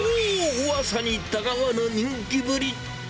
うわさにたがわぬ、人気ぶり。